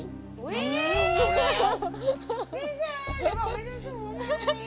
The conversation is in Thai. พี่เชนเดี๋ยวบอกให้เจ้าชู้ไหม